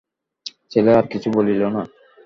ছেলে আর কিছু বলিল না।